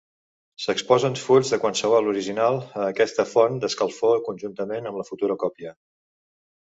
S'exposen fulls de qualsevol original a aquesta font d'escalfor conjuntament amb la futura còpia.